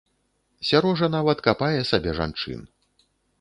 Сярожа нават капае сабе жанчын.